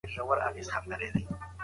تاسو مه وېرېږئ او د حق غږ پورته کړئ.